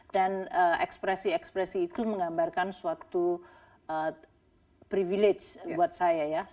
dan ekspresi ekspresi itu menggambarkan suatu privilege buat saya